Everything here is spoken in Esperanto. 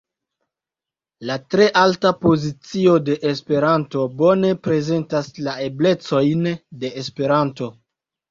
La tre alta pozicio de Esperanto bone prezentas la eblecojn de Esperanto.